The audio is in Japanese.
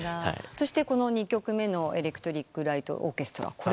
そしてこの２曲目のエレクトリック・ライト・オーケストラ。